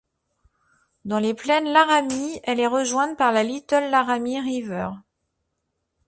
Dans les plaines Laramie, elle est rejointe par la Little Laramie River.